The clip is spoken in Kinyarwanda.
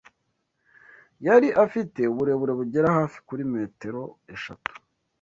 Yari afite uburebure bugera hafi kuri metero eshatu